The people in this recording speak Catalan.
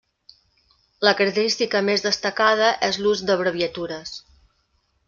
La característica més destacada és l'ús d'abreviatures.